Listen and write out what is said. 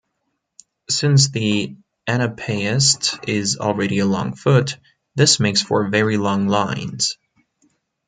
Since the anapaest is already a long foot, this makes for very long lines.